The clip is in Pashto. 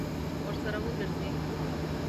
ورسره وګرځي.